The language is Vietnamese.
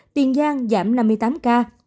tiền giang giảm năm mươi ca